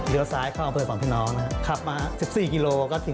เลี้ยวซ้ายเข้าเอ่อเผยสองพี่น้องขับมา๑๔กิโลเมตร